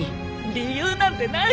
理由なんてない！